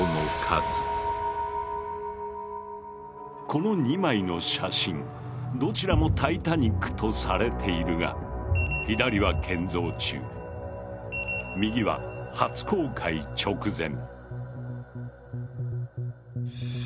この２枚の写真どちらもタイタニックとされているが左は建造中右は初航海直前。